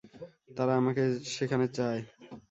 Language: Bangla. তারা আমাকে সেখানে চায়।